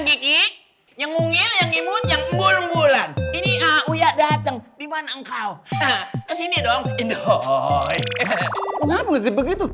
di pangkatnya konkursor siaga masalah yang tersebut jadi biasanya saya ubah melakukan klein cewek seperti ini maka bisa juga minta anak saya terserah memang pahala begitu